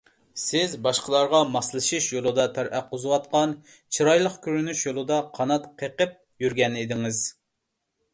سىز باشقىلارغا ماسلىشىش يولىدا تەر ئاققۇزۇۋاتقان، چىرايلىق كۆرۈنۈش يولىدا قانات قېقىپ يۈرگەنىدىڭىز.